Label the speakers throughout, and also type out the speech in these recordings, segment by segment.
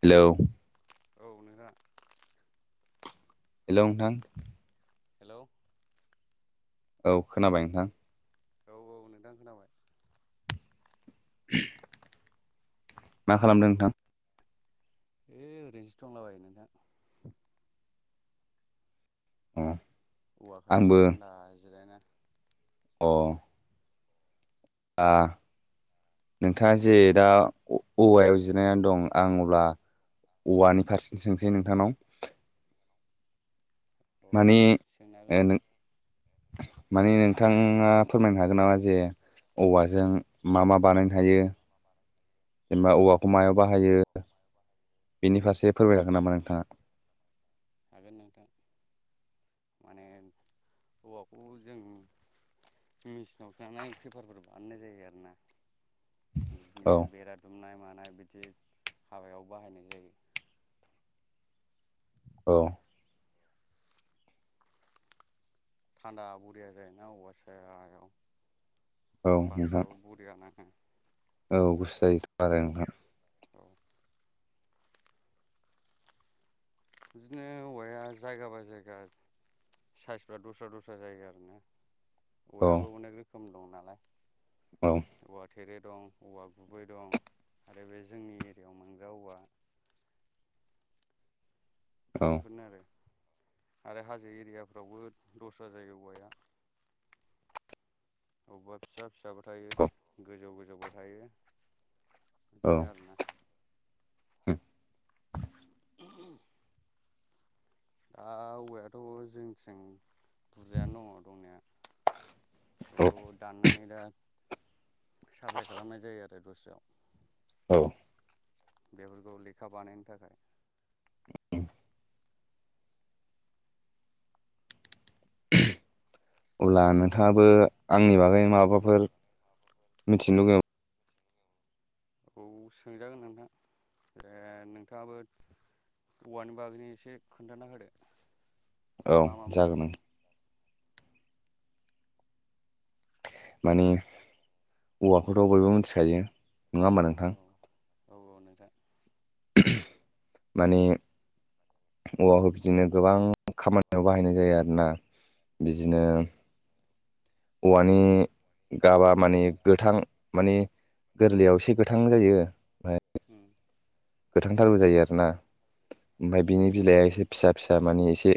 Speaker 1: Hello
Speaker 2: औ नोंथां
Speaker 1: hello नोंथां
Speaker 2: हेल'
Speaker 1: औ खोनाबाय नोंथां
Speaker 2: औ औ नोंथां खोनाबाय
Speaker 1: मा खालामदों नोंथां
Speaker 2: इ ओरैनोसो दंलाबायो नोंथां
Speaker 1: अ
Speaker 2: औवा खाथियाव
Speaker 1: आंबो
Speaker 2: थान्दा जिरायना
Speaker 1: अ आ नोंथाङा जे दा औवायाव जिरायनानै दं आं अब्ला औवानि फारसे सोंसै नोंथांनाव
Speaker 2: अ
Speaker 1: माने
Speaker 2: सोंनो हागोन
Speaker 1: नों
Speaker 2: नोंथां
Speaker 1: मानि नोंथाङा फोरमायनो हागोन नामा जे औवाजों मा मा बानायनो हायो जेनेबा औवाखौ मायाव बाहायो बेनि फारसे फोरमायनो हागोन नामा नोंथाङा
Speaker 2: हागोन नोंथां माने औवाखौ जों मेचिनाव थाधाय पेपारफोर बानायनाय जायो आरोना।
Speaker 1: औ
Speaker 2: बिदिनो बेरा दुमनाय मानाय बिदि हाबायाव बाहायनाय जायो।
Speaker 1: औ
Speaker 2: थान्दा ब'रिया जायोना औवा सायहायाव
Speaker 1: औ नोंथां
Speaker 2: बारफ्राबो बरिया नांङो,
Speaker 1: औ गुसु जायोथ' आरो नोंथां।
Speaker 2: औ बिदिनो औवाया जायगा बाय जायगा साइसफ्रा दस्रा-दस्रा जायो‌ आरोना
Speaker 1: औ
Speaker 2: औवायाबो अनेक रोखोम दं नालाय।
Speaker 1: औ
Speaker 2: औवाथ' थेरे दं औवा गुबै दं आरो बे जोंनि एरियायाव मोनग्रा औवा
Speaker 1: [inaudible] औ
Speaker 2: बेफोरनो आरो आरो हाजो एरियाफ्रावबो दस्रा जायो औवाया। अबबा फिसा-फिसा थायो गोजौ गोजौबो थायो बिदिनो आरोना ओ औवायाथ' जोंथिं बुरजायानो दङ' दंनाया।
Speaker 1: औ
Speaker 2: बेखौ दाननानै दा साप्लाइ खालामनाय जायो आरो दस्रायाव।
Speaker 1: औ
Speaker 2: बेफोरखौ लेखा बानायनो थाखाय
Speaker 1: बे अब्ला नोंथाङाबो आंनि बागै माबाफोर मिथिनो लुगै
Speaker 2: औ सोंजागोन नोंथां। ओ नोंथाङाबो औवानि बागै एसे खोन्थाना होदो।
Speaker 1: औ
Speaker 2: मा मा
Speaker 1: जागोन
Speaker 2: मोनथियो
Speaker 1: ओं माने औवाखौथ' बयबो मिथिखायो नङा होमबा नोंथां।
Speaker 2: औ औ औ नोंथां
Speaker 1: माने औवाखौ बिदिनो गोबां खामानियाव बाहायनाय जायो आरोना
Speaker 2: औ
Speaker 1: बिदिनो औवानि गाबा माने गोथां माने गोरलैयाव एसे गोथां जायो [unintelligible]
Speaker 2: उम
Speaker 1: गोथांथारबो जायो आरोना। ओमफाय बिनि बिलाइया एसे फिसा फिसा माने एसे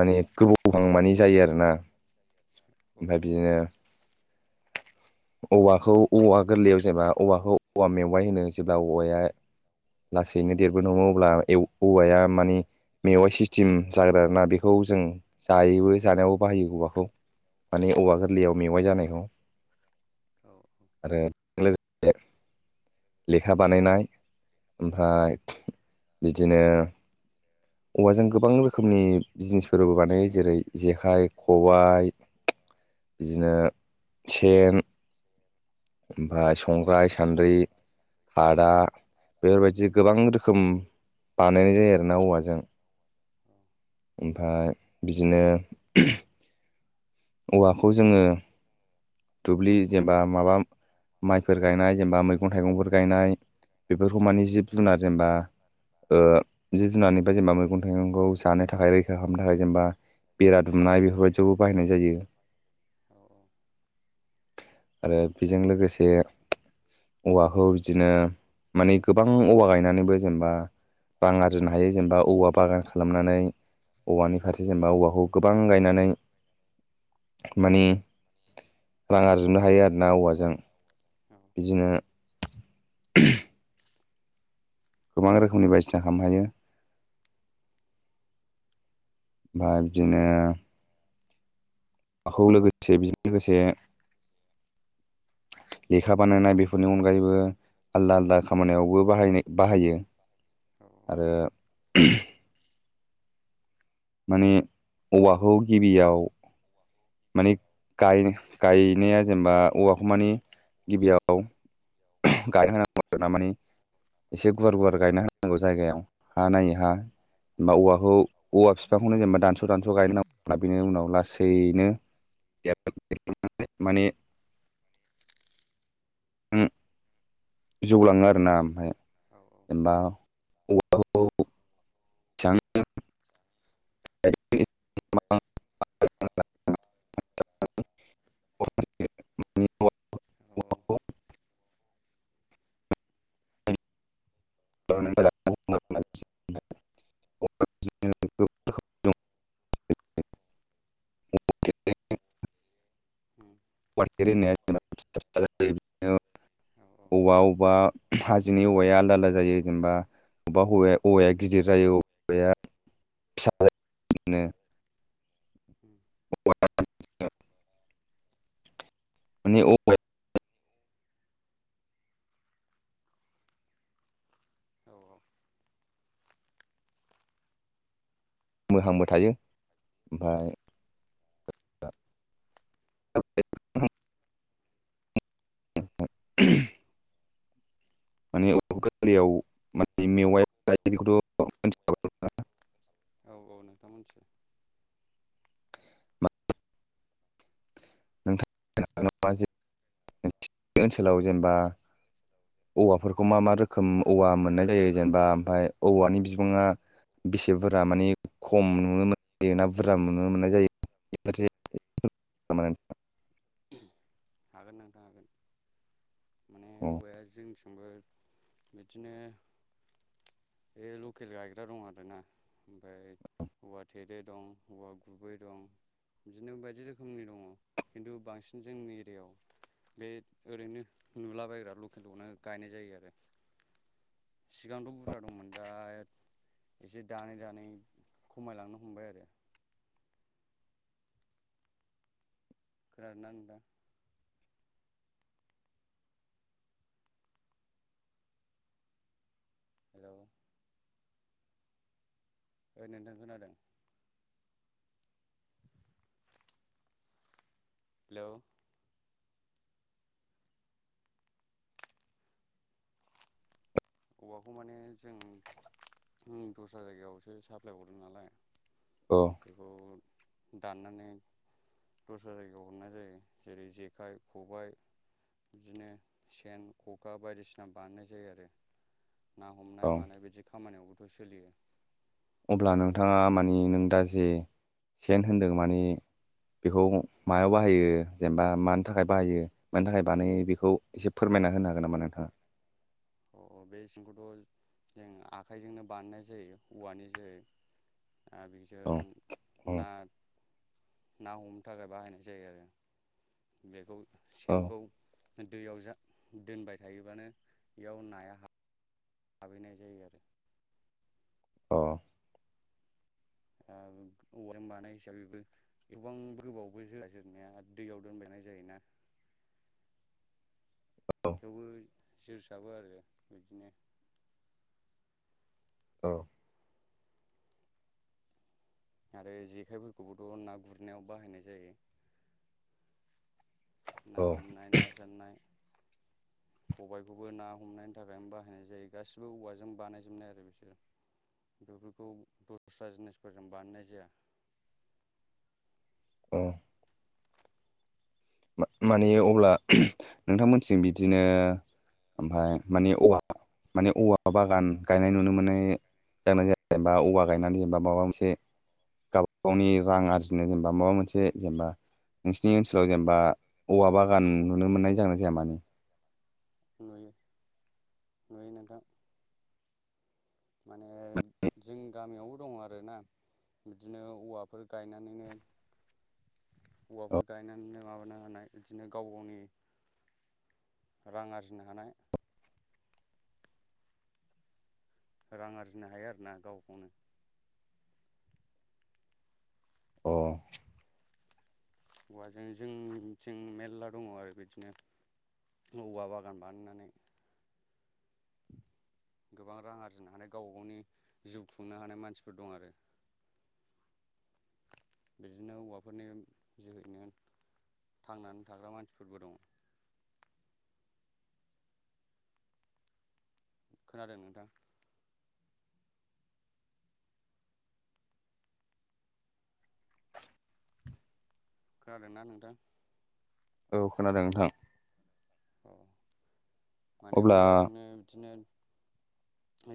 Speaker 1: माने गोबावहांमानि जायो आरोना‌।
Speaker 2: औ
Speaker 1: ओमफ्राय
Speaker 2: औ
Speaker 1: बिदिनो [inaudible] औवाखौ औवा गोरलैयाव जेनबा औवाखौ औवा मेवाइ होनो जेब्ला औवाया लासैनो देरबोदों अब्ला ए औवाया माने मेवाइ सिस्टेम जाग्रा आरोना बेखौ जों जायोबो जानायावबो
Speaker 2: औ
Speaker 1: बाहायो औवाखौ। माने औवा गोरलैयाव मेवाइ जानायखौ।
Speaker 2: औ
Speaker 1: आरो लोगोसे लेखा बानायनाय ओमफ्राय बिदिनो औवाजों गोबां रोखोमनि जिनिसफोरबो बानायो। जेरै जेखाइ खबाइ बिदिनो सेन ओमफाय स संग्राय सान्द्रि खादा बेफोरबायदि गोबां रोखोम बानायनाय जायो आरोना औवाजों। ओमफाय बिदिनो औवाखौ जोङो दुब्लि जेनेबा माबा माइफोर गायनाय जेनेबा मैगं थाइगंफोर गायनाय बेफोरखौ माने जिब जुनार जेनेबा ओ जिब जुनरनिफ्राय जेनेबा मैगं थाइगंखौ जानो थाखाय रैखा खालामनो थाखाय जेनेबा बेरा दुमनाय बेफोरबायदियावबो बाहायनाय जायो आरो बेजों लोगोसे औवाखौ बिदिनो माने गोबां औवा गायनानैबो जेनेबा बां आरजिनो हायो जेनेबा औवा बागान खालामनानै औवानि फारसे जेनेबा औवाखौ गोबां गायनानै [unintelligible] गुजुनो हायो आरोना औवाजों बिदिनो गोबां रोखोमनि बायदिसिना खालामनो हायो ओमफफ्राय बिदिनो माखौ लोगोसे बिजों लोगोसे लेखा बानायनाय बेफोरनि अनगायैबो आलदा आलदा खामानियावबो बाहायनो बाहायो आरो माने औवाखौ गिबियाव माने गाय गाय नाया जेनेबा औवाखौ मानि गिबियाव [unintelligible] एसे गुवार गुवार गायना होनांगौ जायगायाव हा नायै हा होनबा औवाखौ औवा बिफांखौनो जेनेबा दानस' दानस' गायनो नांगौ बिनि उनाव लासैनो माने हुम [unintelligible] जौलांङो आरोना ओमफ्राय जेनबा औवाखौ [unintelligible] [unintelligible] [unintelligible] [unintelligible] [unintelligible] [unintelligible]
Speaker 2: [unintelligible]
Speaker 1: [unintelligible] औवा अबेबा हाजोनि औवाया आलदा आलदा जायो जेनेबा बबेबा हौवाया ओवाया गिदिर जायोब औवाया फिसा जायो बिदिनो
Speaker 2: [inaudible]
Speaker 1: [unintelligible] [unintelligible] बोहांबो थायो ओमफ्राय [unintelligible] [unintelligible] [unintelligible] [unintelligible]
Speaker 2: औ औ नोंथां मोन्थियो
Speaker 1: [unintelligible] औवाफोरखौ मा मा रोखोम औवा मोननाय जायो जेनेबा ओमफ्राय औवानि बिबांङा बेसे बुरजा माने खम नुनो मोनायो ना बुरजा नुनो मोननाय जायो बिनि मोनसे [unintelligible]
Speaker 2: हागोन नोंथां हागोन
Speaker 1: औ
Speaker 2: ओंफ्राय बिदिनो बे लकेल गायग्रा दं आरोना ओमफ्राय औवा थेरे दं औवा गुबै दं बिदिनो बायदि रोखोमनि दंङ खिन्थु बांसिन जोंनि बेयाव बे ओरैनो नुलाबायग्रा लकेलखौनो गायनाय जायो आरो सिगांथ' बुरजा दंमोन दाय एसे दानै दानै खमायलांनो हमबाय आरो। खोनादों ना नोंथां? हेलौ ओ नोंथां खोनादों। हेलौ औवाखौ माने जोंनि दस्रा जायगायावसो साप्लाय हरदों नालाय
Speaker 1: औ औ
Speaker 2: बेखौ दानानै दस्रा जायगायाव हरनाय जायो जेरै जेखाइ खबाय बिदिनो सेन खगा बायदिसिना बानायनाय जायो आरो। ना हमनाय
Speaker 1: औ
Speaker 2: मानाय बिदि खामानियावबोथ' सोलियो
Speaker 1: अब्ला नोंथाङा माने नों दा जे सेन होनदों माने बेखौ मायाव बाहायो जेनेबा मानि थाखाय बाहायो मानि थाखाय बानायो बेखौ एसे फोर बायना होनो हागोन नामा नोंथाङा?
Speaker 2: अ अ बे सिंखौथ' जो आखाइजोंनो बानायनाय जायो औवानि जोयै।
Speaker 1: औ
Speaker 2: आबेजों
Speaker 1: औ
Speaker 2: ना ना हमनो थाखाय बाहायनाय जायो आरो बेखौ
Speaker 1: औ
Speaker 2: सेनखौ दैयाव जा दोनबाय थायोबानो बेयाव नाया हाब हाबैनाय जायो आरो।
Speaker 1: अ
Speaker 2: ओ औव बानाय हिसाबैबो एबां गोबावबो जोरा जोरनाया दैयाव दोनबाय जायोना
Speaker 1: [inaudible]
Speaker 2: थेवबो जोरसाबो आरो बिदिनो।
Speaker 1: औ
Speaker 2: आरो जेखायफोरखौबोथ' ना गुरनायाव बाहायनाय जायो। ना
Speaker 1: औ
Speaker 2: हमनाय ना सारनाय
Speaker 1: [inaudible]
Speaker 2: खबायखौबो ना हमनायनि थाखायनो बाहायनाय जायो गासिबो औवाजों बानायजोबनाय आरो बिसोर। बेफोरखौ दस्रा जिनिसफोरजों बानायनाय जाया।
Speaker 1: [inaudible] औ मा-माने अब्ला नोंथांमोथिं बिदिनो ओमफाय माने औवा माने औवा बागान गायनाय नुनो मोनो [unintelligible] औबा गायनानै जेनबा माबा मोनसे गाव गावनि रां आरजिनो जेनेबा माबा मोनसे जेनेबा नोंसिनि
Speaker 2: औ
Speaker 1: ओनसोलाव
Speaker 2: औ
Speaker 1: जेनेबा औवा बागान नुनो मोननाय जागोना जाया माने?
Speaker 2: नुयो नुयो नोंथां। माने जों गामियावबो दङ' आरोना। बिदिनो औवाफोर गायनानैनो
Speaker 1: औ
Speaker 2: औवाफोर गायनानैनो माबा हानाय बिदिनो गाव गावनि रां आरजिनो हानाय रां आरजिनो हायो आरोना गाव गावनो ‌।
Speaker 1: औ
Speaker 2: हौवाजों जोंथि मेरला दङ' आरो बिदिनो औवा बागान बानायनानै
Speaker 1: [inaudible]
Speaker 2: गोबां रां आरजिनो हानाय गावबा गावनि जिउ खुंनो हानाय मानसिफोर दं आरो। बिदिनो औवाफोरनि जोहैनो थांनानै थाग्रा मानसिफोरबो दङ'। खोनादों नोंथां? खोनादों ना नोंथां?
Speaker 1: औ खोनादों नोंथां
Speaker 2: औ माने
Speaker 1: अब्ला
Speaker 2: औवाजोंनो दिनो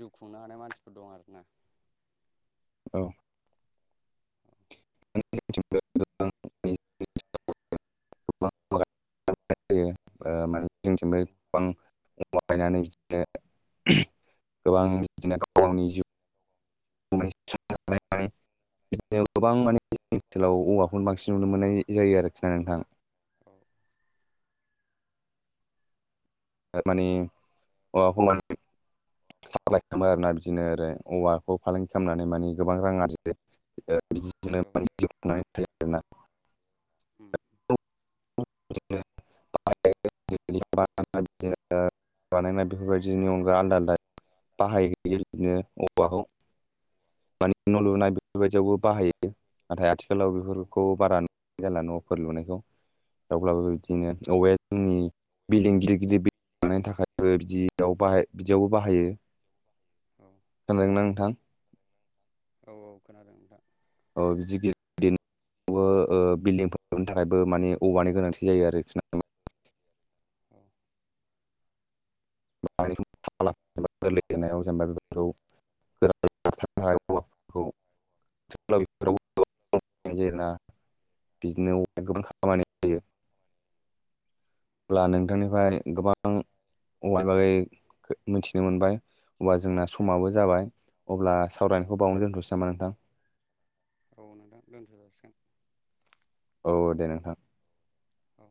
Speaker 2: जिउ खुंनो हानाय मानसिफोर दं आरोना
Speaker 1: औ [unintelligible] [unintelligible] [unintelligible] बिदिनो
Speaker 2: औ
Speaker 1: गोबां बिदिनो गाव गावनि जिउ [unintelligible] बिदिनो गोबां माने जों ओनसोलाव औवाखौनो बांसिन नुनो मोननाय जायो आरोखि ना नोंथां
Speaker 2: औ
Speaker 1: मानि [unintelligible] साप्लाइ खालामो आरोना बिदिनो आरो औवाखौ फालांगि खालामनानै माने गोबां रां
Speaker 2: औ
Speaker 1: आरजियो [unintelligible]
Speaker 2: उम
Speaker 1: [unintelligible] [unintelligible] बानायनाय बेफोरनि अनगा आलदा आलदा [unintelligible] बाहायो बिदिनो औवाखौ मानि
Speaker 2: औ
Speaker 1: न' लुनाय बेफोरबायदियावबो बाहायो नाथाय आथिखालाव
Speaker 2: औ
Speaker 1: बेफोरखौ बारा नुनाय जाला न' फोर लुनायखौ थेवब्लाबो बिदिनो औवाया जोंनि बिल्डिं गिदिर गिदिर बानायनो थाखायबो बिदियाव बाहा बिदियावबो बाहायो खोनादों ना नोंथां
Speaker 2: औ औ खोनादों नोंथां
Speaker 1: औ बिदि [unintelligible] ओ बिल्डिंफोर लुनो थाखायबो माने औवानि गोनांथि जायो आरोखि ना
Speaker 2: औ
Speaker 1: [unintelligible] [unintelligible] [unintelligible] ना बिदिनो अनेग गोबां
Speaker 2: औ
Speaker 1: खामानियाव बाहायो अब्ला नोंथांनिफ्राय गोबां औवानि बागै मिथिनो मोनबाय अब्ला जोंना
Speaker 2: औ
Speaker 1: समाबो जाबाय अब्ला सावरायनायखौ बावनो दोनथ'सै नामा नोंथां
Speaker 2: औ नोंथां दोनथ' जासिगोन
Speaker 1: औ दे नोंथां
Speaker 2: औ